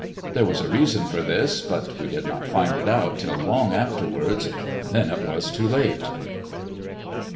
There was a reason for this, but we did not find it out till long afterwards. Then it was too late.